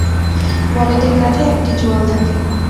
বলদের কাঁধে একটি জোয়াল থাকে।